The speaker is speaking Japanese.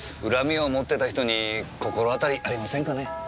恨みを持ってた人に心当たりありませんかね？